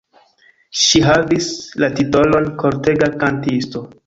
Ŝi havis la titolon "kortega kantisto".